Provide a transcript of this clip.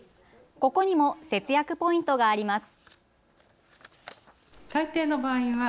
ここにも節約ポイントがあります。